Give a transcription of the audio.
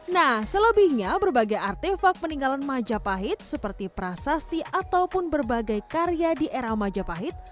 nah selebihnya berbagai artefak peninggalan majapahit seperti prasasti ataupun berbagai karya di era majapahit